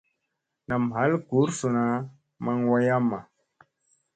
Nam ɦal gursuna maŋ wayamma.